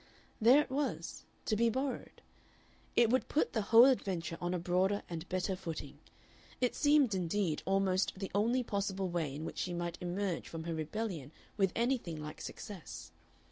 There it was to be borrowed. It would put the whole adventure on a broader and better footing; it seemed, indeed, almost the only possible way in which she might emerge from her rebellion with anything like success.